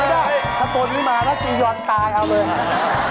ถ้าตนไม่มาก็ตีย้อนตาครับ